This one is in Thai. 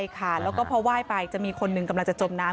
ใช่ค่ะแล้วก็พอไหว้ไปจะมีคนหนึ่งกำลังจะจมน้ำ